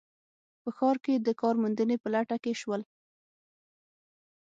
په ښار کې د کار موندنې په لټه کې شول